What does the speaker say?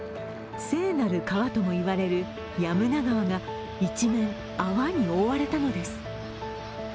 聖なる川ともいわれるヤムナ川が一面、泡に覆われたのです。